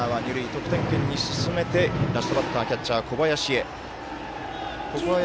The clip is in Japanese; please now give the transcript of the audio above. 得点圏に進めてラストバッターキャッチャーの小林へ。